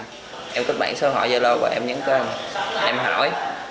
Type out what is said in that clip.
và em kích bản số hỏi giao lô và em nhấn kênh em hỏi